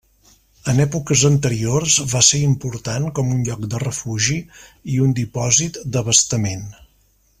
En èpoques anteriors, va ser important com un lloc de refugi i un dipòsit d'abastament.